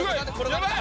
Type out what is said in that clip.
やばい！